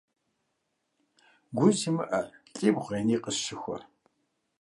Гу зимыӀэ лӀибгъу я ней къысщыхуэ.